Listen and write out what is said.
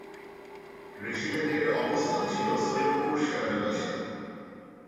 রেজিমেন্টের অবস্থান ছিল সৈয়দপুর সেনানিবাসে।